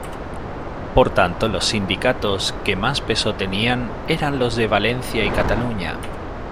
Por tanto los sindicatos que más peso tenían eran los de Valencia y Cataluña.